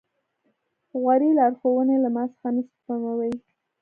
غورې لارښوونې له ما څخه نه سپموي.